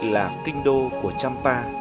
là kinh đô của trâm